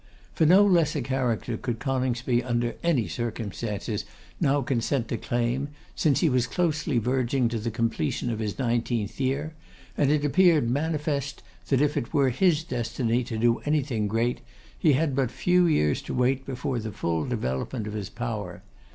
For no less a character could Coningsby under any circumstances now consent to claim, since he was closely verging to the completion of his nineteenth year; and it appeared manifest that if it were his destiny to do anything great, he had but few years to wait before the full development of his power.